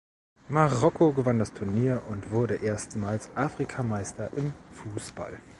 Marokko gewann das Turnier und wurde erstmals Afrikameister im Fußball.